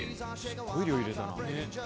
スゴい量入れたな。